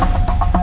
aku kasih tau